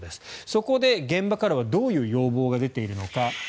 そこで、現場からはどういう要望が出ているのか。